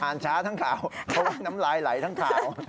อ่านช้าทั้งข่าวน้ำลายไหลทั้งข่าว